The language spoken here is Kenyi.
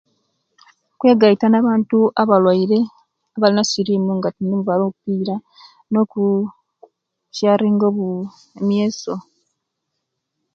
Butemulisia nga musayi nga bakkali okwegaita nebutakozesia nga kondomu nga bali munsonga